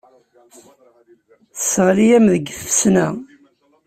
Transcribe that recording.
Tesseɣli-am deg tfesna.